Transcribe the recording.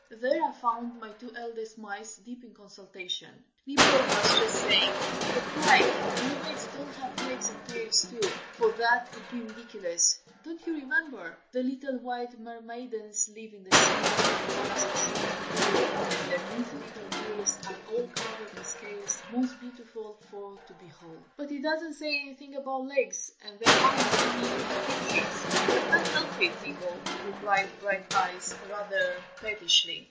There I found my two eldest mice deep in consultation. Nibble was just saying, "but, Bright, mermaids don't have legs and tails, too, for that would be ridiculous. Don't you remember? 'The little white mermaidens live in the sea, In a palace of silver and gold. And their neat little tails are all covered with scales, Most beautiful for to behold.' But it doesn't say anything about legs, and there aren't any in the pictures." "I can't help it, Nibble!" replied Brighteyes, rather pettishly.